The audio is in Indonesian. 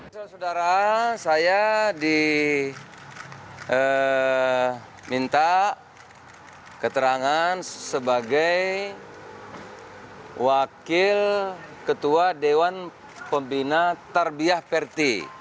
saudara saudara saya diminta keterangan sebagai wakil ketua dewan pembina tarbiah ferti